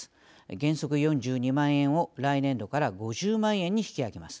原則４２万円を、来年度から５０万円に引き上げます。